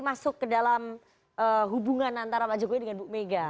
masuk ke dalam hubungan antara pak jokowi dengan bu mega